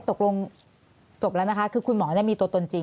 ตกลงจบแล้วนะคะคือคุณหมอมีตัวตนจริง